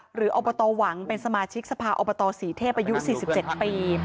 อบตหวังเป็นสมาชิกสภาอบตศรีเทพอายุ๔๗ปี